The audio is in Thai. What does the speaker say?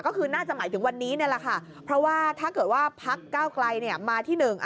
ก็คือน่าจะหมายถึงวันนี้นี่แหละค่ะเพราะว่าถ้าเกิดว่าพักเก้าไกลเนี่ยมาที่หนึ่ง